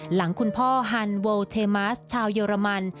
หลังคุณพ่อฮันเวิลเทมัสชาวเยอรมัน